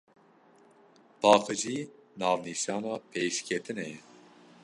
Paqijî navnîşana pêşketinê ye.